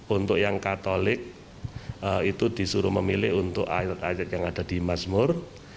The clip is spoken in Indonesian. untuk yang katolik itu disuruh memilih untuk ayat ayat yang ada di masmur